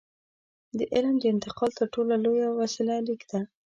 د علم د انتقال تر ټولو لویه وسیله لیک ده.